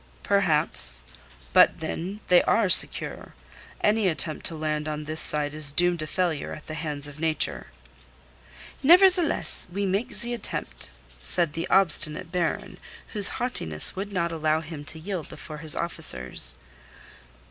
"Perhaps. But, then, they are secure. Any attempt to land on this side is doomed to failure at the hands of Nature." "Nevertheless, we make the attempt," said the obstinate Baron, whose haughtiness would not allow him to yield before his officers.